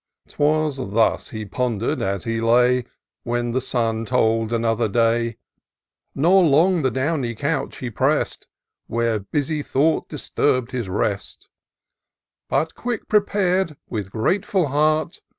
'Twas thus he ponder*d as he lay, When the sun told another day, Nor long the downy couch he press'd. Where busy thought disturbed his rest ; But qtiick prepar'd, with grateful heart.